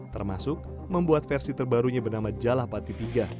termasuk membuat versi terbarunya bernama jalapati tiga